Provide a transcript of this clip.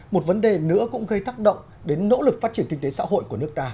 một vấn đề nữa cũng gây tác động đến nỗ lực phát triển kinh tế xã hội của nước ta